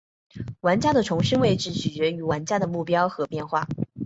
玩家的重生位置取决于玩家的目标变化。